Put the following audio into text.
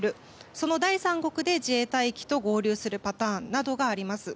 その第三国で自衛隊機と合流するパターンなどがあります。